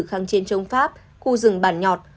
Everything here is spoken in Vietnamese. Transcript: kháng chiến chống pháp khu rừng bản nhọt